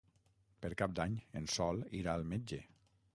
Per Cap d'Any en Sol irà al metge.